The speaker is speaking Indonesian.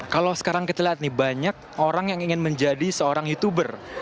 kalau sekarang kita lihat nih banyak orang yang ingin menjadi seorang youtuber